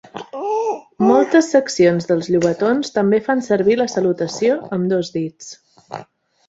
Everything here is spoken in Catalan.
Moltes seccions dels llobatons també fan servir la salutació amb dos dits.